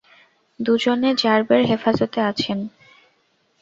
দুজনে র্যাবের হেফাজতে আছেন।